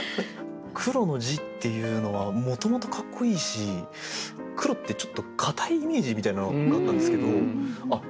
「黒」の字っていうのはもともとかっこいいし「黒」ってちょっとかたいイメージみたいなのがあったんですけどあっ